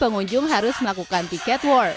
pengunjung harus melakukan tiket war